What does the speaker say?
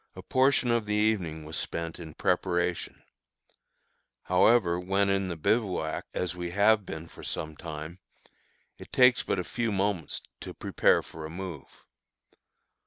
A portion of the evening was spent in preparation. However, when in the bivouac, as we have been for some time, it takes but a few moments to prepare for a move.